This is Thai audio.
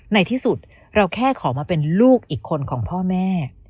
ในที่สุดเราแค่ขอมาเป็นลูกอีกคนของพ่อแม่